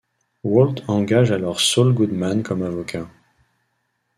Walt engage alors Saul Goodman comme avocat.